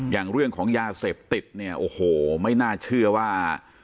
อย่างเรื่องของยาเสพติดเนี่ยโอ้โหไม่น่าเชื่อว่า